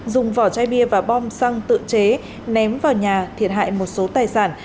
dùng vỏ chai bia và bom xăng tự chế ném vào nhà thiệt hại một số tài sản